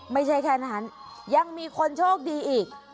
ไม่ใช่แค่นั้นยังมีคนโชคดีอีก